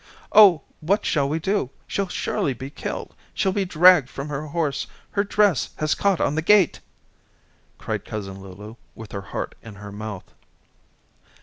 "Oh, what shall we do? She'll surely be killed. She'll be dragged from her horse. Her dress has caught on the gate," cried Cousin Lulu with her heart in her mouth.